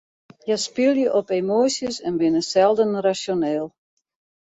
Hja spylje op emoasjes en binne selden rasjoneel.